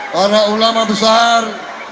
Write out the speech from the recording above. para ulama besar